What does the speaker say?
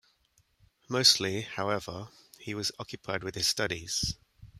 Mostly, however, he was occupied with his studies.